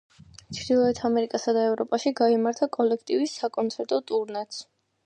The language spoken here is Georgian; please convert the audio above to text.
ჩრდილოეთ ამერიკასა და ევროპაში გაიმართა კოლექტივის საკონცერტო ტურნეც.